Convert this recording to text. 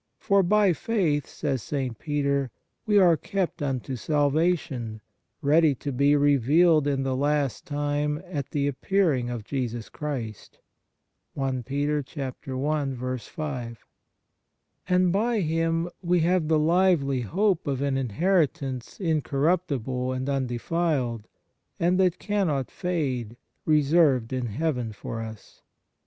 For " by faith," says St. Peter, " we are kept unto salvation, ready to be revealed in the last time at the appearing of Jesus Christ." 1 And by Him we have the lively hope of " an inheritance incorruptible and un defiled, and that cannot fade, reserved in heaven for us."